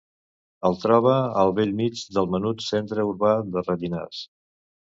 Es troba al bell mig del menut centre urbà de Rellinars.